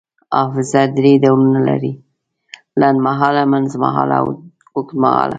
حافظه دری ډولونه لري: لنډمهاله، منځمهاله او اوږدمهاله